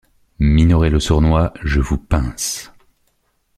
Minoret le sournois, je vous pince.